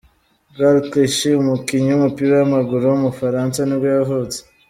Gaël Clichy, umukinnyi w’umupira w’amaguru w’mufaransa nibwo yavutse.